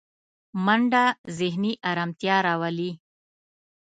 منډه ذهني ارامتیا راولي